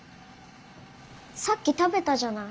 さっき食べたじゃない。